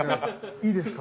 いいですか？